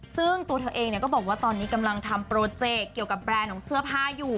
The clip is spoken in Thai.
ซึ่งตัวเธอเองก็บอกว่าตอนนี้กำลังทำโปรเจกต์เกี่ยวกับแบรนด์ของเสื้อผ้าอยู่